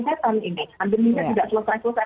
setan ini pandemi ini tidak selesai selesai